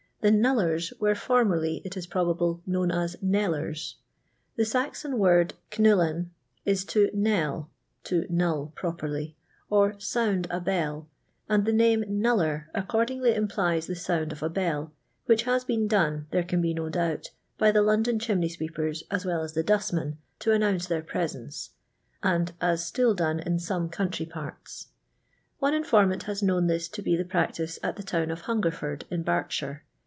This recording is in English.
The knullers were formerly, it is probable, known as knellers. The Saxon word Cnyltan is to knell (to knull properly), or sound a bell, and the name "knuller" accordingly implies the founder of a bell, which has been done, there can be no doubt, by the London chimney sweepers M well as the dustmen, to announce their presence, and as still done in some country parts. One in formant has known this to be the practice at the town of Hungerford in Berkshire.